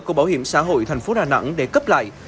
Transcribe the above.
của bảo hiểm xã hội tp đà nẵng để cấp lại